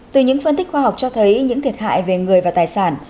từ những phân tích khoa học cho thấy những thiệt hại về người và tài sản